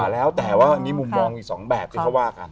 แล้วแต่ว่านี่มุมมองอีก๒แบบที่เขาว่ากัน